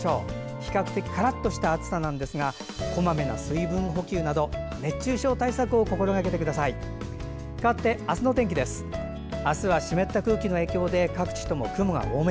比較的カラッとした暑さですがこまめな水分補給など熱中症対策を心がけてください。